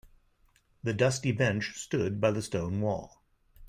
The dusty bench stood by the stone wall.